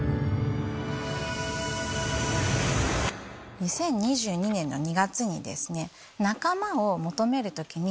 ２０２２年の２月にですね。